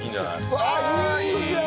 うわあいいじゃん！